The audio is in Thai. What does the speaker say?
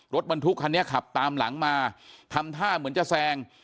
รถบรรทุกคันนี้ขับตามหลังมาทำท่าเหมือนจะแซง